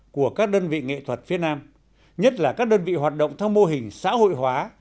của các đơn vị nghệ thuật phía nam nhất là các đơn vị hoạt động theo mô hình xã hội hóa